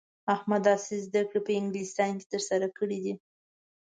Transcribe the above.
احمد عصري زده کړې په انګلستان کې ترسره کړې دي.